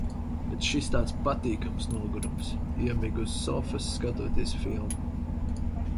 Bet šis tāds patīkams nogurums. Iemigu uz sofas, skatoties filmu.